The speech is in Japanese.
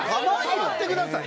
触ってください。